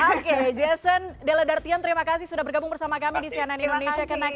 oke jason della dartion terima kasih sudah bergabung bersama kami di cnn indonesia connected